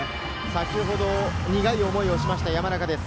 先ほど苦い思いをしました、山中です。